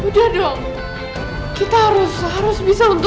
putri aku gak mau putri sayang